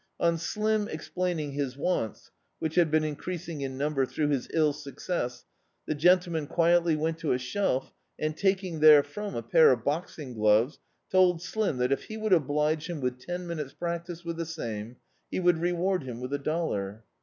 On Slim explain ing his wants, which had been increasing in num ber through his ill success, the gentleman quietly went to a shelf and taking therefrom a pair of box ing ^oves told Slim that if he would oblige him with ten minutes' practice with die same, he would reward him with a dollar.